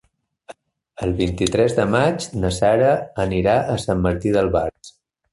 El vint-i-tres de maig na Sara anirà a Sant Martí d'Albars.